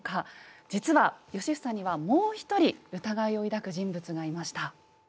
実は良房にはもう一人疑いを抱く人物がいました。